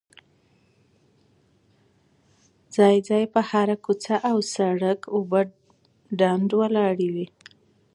ځای ځای په هره کوڅه او سړ ک اوبه ډنډ ولاړې وې.